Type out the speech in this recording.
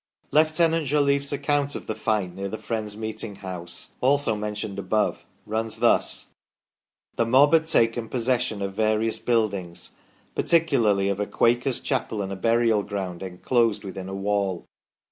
Lieutenant Jolliffe's account of the fight near the Friends' meeting house, also mentioned above, runs thus :" The mob had taken pos session of various buildings, particularly of a Quakers' chapel and burial ground enclosed with a wall.